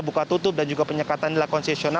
buka tutup dan juga penyekatan dilakukan sesional